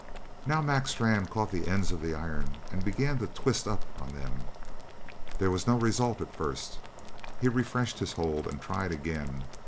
Now Mac Strann caught the ends of the iron and began to twist up on them. There was no result at first. He refreshed his hold and tried again.